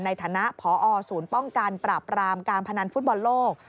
ในฐานะพอศูนย์ป้องกันปราบรามการพนันฟุตบอลโลก